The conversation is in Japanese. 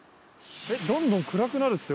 どんどん暗くなるっすよ。